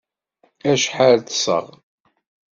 Acḥal ṭṭseɣ?